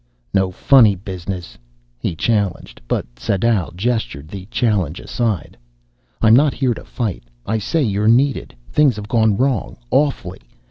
"No funny business," he challenged, but Sadau gestured the challenge aside. "I'm not here to fight. I say, you're needed. Things have gone wrong, awfully.